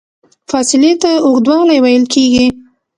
فاصلې ته اوږدوالی ویل کېږي.